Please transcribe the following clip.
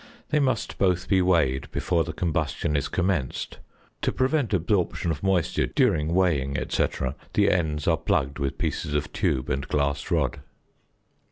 They must both be weighed before the combustion is commenced; to prevent absorption of moisture during weighing, &c., the ends are plugged with pieces of tube and glass rod.